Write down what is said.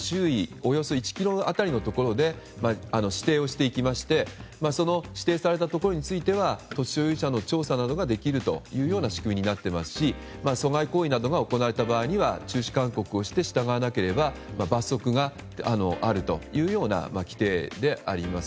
およそ１ｋｍ当たりのところで指定をしていきましてその指定されたところについては土地所有者の調査などができるという仕組みになってますし阻害行為などが行われた場合には中止勧告をして従わなければ罰則があるという規定であります。